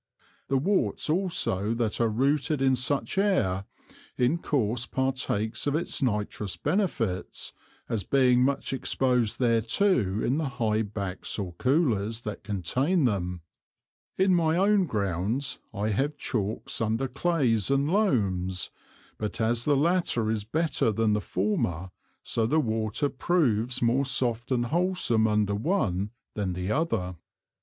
The Worts also that are rooted in such an Air, in course partakes of its nitrous Benefits, as being much exposed thereto in the high Backs or Coolers that contain them. In my own Grounds I have Chalks under Clays and Loams; but as the latter is better than the former, so the Water proves more soft and wholsome under one than the other.